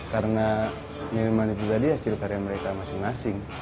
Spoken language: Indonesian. karena minuman itu tadi hasil karya mereka masing masing